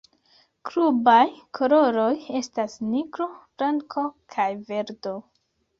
Klubaj koloroj estas nigro, blanko kaj verdo.